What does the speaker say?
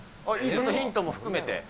ヒントも含めて。